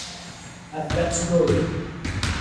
I've got to go.